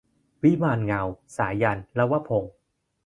วิมานเงา - สายัณห์ ลวพงศ์